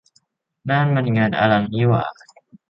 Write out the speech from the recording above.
นี่มันงานอลังนี่หว่า !